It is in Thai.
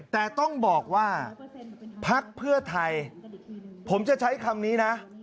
แต่ต้องบอกว่าพักเพื่อไทยผมจะใช้คำนี้นะ